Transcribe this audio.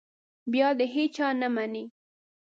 بیا د هېچا نه مني.